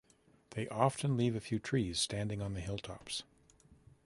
They often leave a few trees standing on the hilltops.